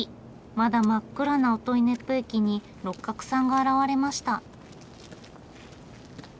まだ真っ暗な音威子府駅に六角さんが現れました。